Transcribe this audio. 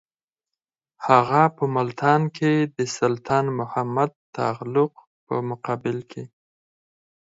هغه په ملتان کې د سلطان محمد تغلق په مقابل کې.